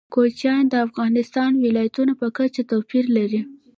کوچیان د افغانستان د ولایاتو په کچه توپیر لري.